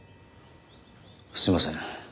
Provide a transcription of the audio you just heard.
すいません。